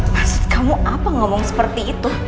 pas kamu apa ngomong seperti itu